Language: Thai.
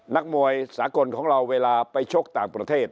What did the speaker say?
นักมวยสากลของเราเวลาไปชกต่างประเทศ